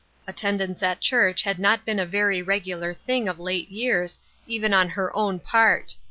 Attendance at church had not been a very regular thing of late years, even on her own part.